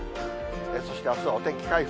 そしてあすはお天気回復。